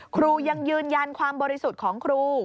ครูยังยืนยันความบริสุทธิ์ของครู